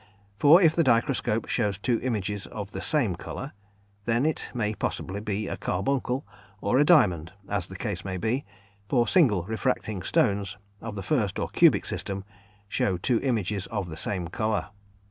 For if the dichroscope shows two images of the same colour, then it may possibly be a carbuncle, or a diamond, as the case may be for single refracting stones, of the first or cubic system, show two images of the same colour.